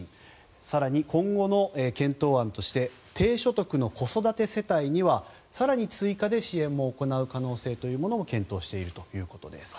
更に、今後の検討案として低所得の子育て世帯には更に追加で支援も行う可能性も検討しているということです。